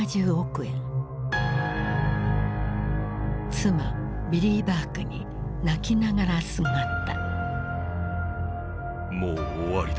妻ビリー・バークに泣きながらすがった。